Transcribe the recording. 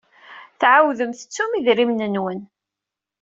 Tɛawdem tettum idrimen-nwen.